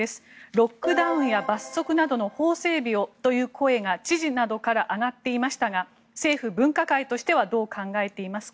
ロックダウンや罰則などの法整備をという声が知事などから上がっていましたが政府分科会としてはどう考えていますか？